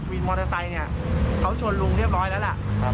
มอเตอร์ไซค์เนี่ยเขาชนลุงเรียบร้อยแล้วล่ะ